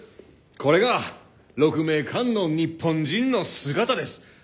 これが鹿鳴館の日本人の姿です！